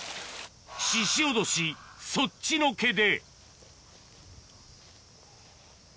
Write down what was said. ししおどし、そっちのけで。